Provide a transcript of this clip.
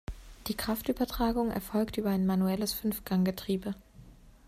Die Kraftübertragung erfolgt über ein manuelles Fünfgang-Getriebe.